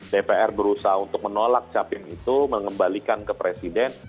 dpr berusaha untuk menolak capim itu mengembalikan ke presiden